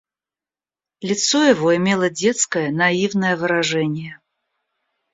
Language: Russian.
Лицо его имело детское, наивное выражение.